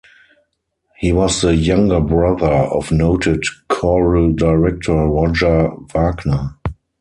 He was the younger brother of noted choral director Roger Wagner.